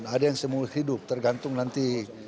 ada yang semulus hidup tergantung nanti